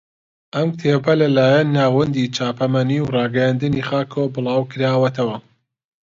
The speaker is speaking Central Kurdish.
ئەم کتێبە لەلایەن ناوەندی چاپەمەنی و ڕاگەیاندنی خاکەوە بڵاو کراوەتەوە